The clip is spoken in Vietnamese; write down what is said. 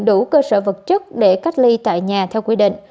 đủ cơ sở vật chất để cách ly tại nhà theo quy định